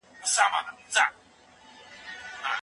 ایا ته لا تر اوسه ویده نه یې؟